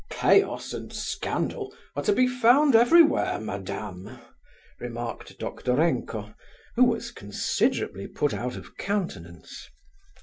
"Chaos and scandal are to be found everywhere, madame," remarked Doktorenko, who was considerably put out of countenance.